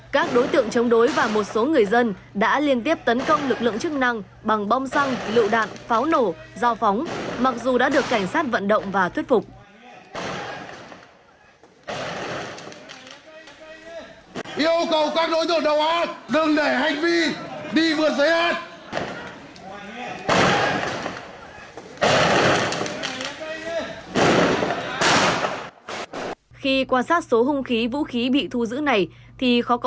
các đối tượng chống đối và một số người dân đã liên tiếp tấn công lực lượng chức năng bằng bom xăng lựu đạn pháo nổ do phóng mặc dù đã được cảnh sát vận động và thuyết phục